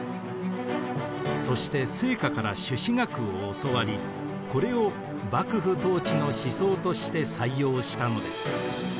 そして惺窩から朱子学を教わりこれを幕府統治の思想として採用したのです。